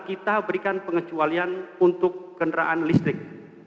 kita berikan pengecualian untuk kendaraan listrik